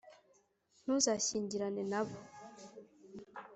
Ntuzashyingirane na bo.